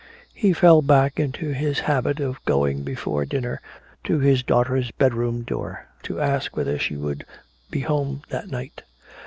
He fell back into his habit of going before dinner to his daughter's bedroom door to ask whether she would be home that night.